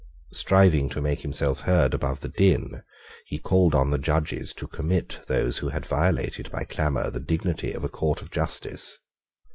Striving to make himself heard above the din, he called on the judges to commit those who had violated, by clamour, the dignity of a court of justice.